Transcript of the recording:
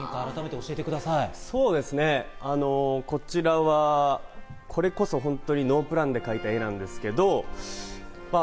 こちらは、それこそノープランで描いた絵なんですけど。